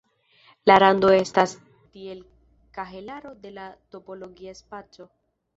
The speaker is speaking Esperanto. La rando estas tiel kahelaro de la topologia spaco.